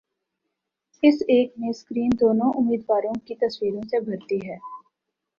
اس ایک میں سکرین دونوں امیدواروں کی تصویروں سے بھرتی ہے